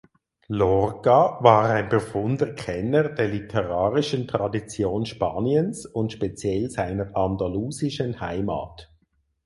Lorca war ein profunder Kenner der literarischen Tradition Spaniens und speziell seiner andalusischen Heimat.